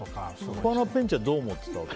スパナペンチはどう思ってたわけ？